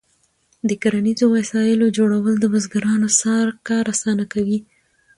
د کرنیزو وسایلو جوړول د بزګرانو کار اسانه کوي.